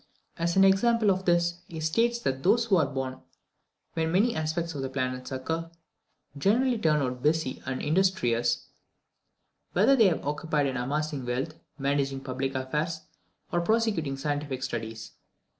As an example of this, he states that those who are born when many aspects of the planets occur, generally turn out busy and industrious, whether they be occupied in amassing wealth, managing public affairs, or prosecuting scientific studies.